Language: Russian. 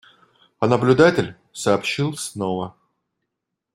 А наблюдатель сообщил снова.